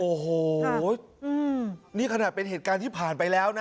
โอ้โหนี่ขนาดเป็นเหตุการณ์ที่ผ่านไปแล้วนะ